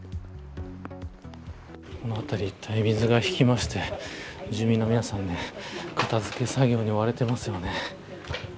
この辺り一帯、水が引きまして住民の皆さん片付け作業に追われています。